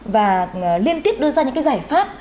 và liên tiếp đưa ra những cái giải pháp